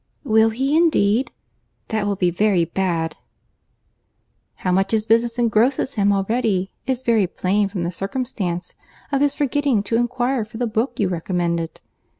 "Will he, indeed? That will be very bad." "How much his business engrosses him already is very plain from the circumstance of his forgetting to inquire for the book you recommended.